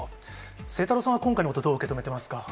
晴太郎さんは今回のことをどう受け止めてますか？